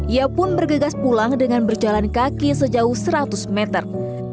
ia pun bergegas pulang dengan berjalan kaki sejauh seratus meter